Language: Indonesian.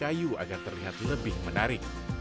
dan kayu agar terlihat lebih menarik